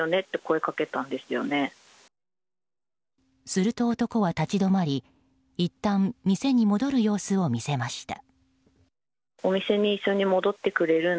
すると男は立ち止まりいったん店に戻る様子を見せました。